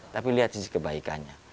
tapi lihat sisi kebaikannya